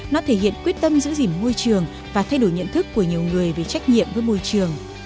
nó thể hiện quyết tâm giữ gìn môi trường và thay đổi nhận thức của nhiều người về trách nhiệm với môi trường